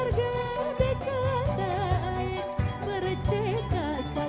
ragu ragu ngeluar ed goa